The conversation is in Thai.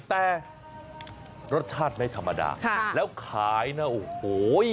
แต่รสชาติไม่ธรรมดาแล้วขายนะโอ้โห